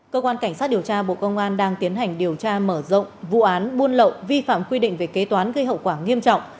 cơ quan cảnh sát điều tra bộ công an đang tiến hành điều tra mở rộng vụ án buôn lậu vi phạm quy định về kế toán gây hậu quả nghiêm trọng